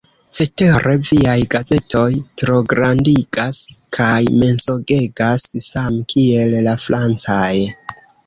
Cetere viaj gazetoj trograndigas kaj mensogegas same kiel la francaj.